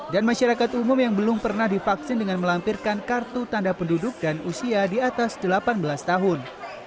masyarakat umum yang belum pernah divaksin dengan melampirkan kartu tanda penduduk dan usia di atas delapan belas tahun